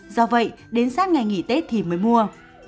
do vậy đến sát ngày nghỉ tết thì mới mua